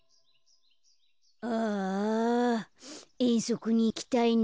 ああえんそくにいきたいな。